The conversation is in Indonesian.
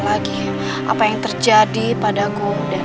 siapa yang sedang bertarung